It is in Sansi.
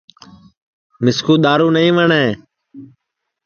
مِسکُو دؔارُو نائی وٹؔے